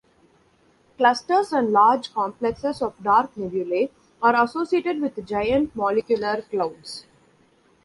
Clusters and large complexes of dark nebulae are associated with Giant Molecular Clouds.